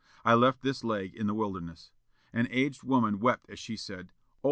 I left this leg in the Wilderness." An aged woman wept as she said, "Oh!